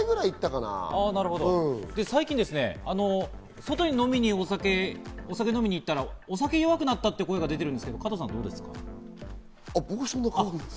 なるほど、最近ですね外にお酒を飲みに行ったら、お酒が弱くなったって声が出てるんですけど加藤さん、どうですか？